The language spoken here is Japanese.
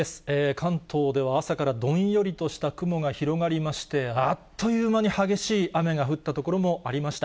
関東では、朝からどんよりとした雲が広がりまして、あっという間に激しい雨が降った所もありました。